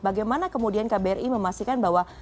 bagaimana kemudian kbri memastikan bahwa